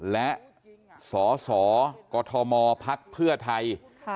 และสอกฏฒมพรรคเพื่อไทย